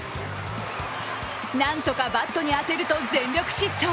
なんとかバットに当てると全力疾走。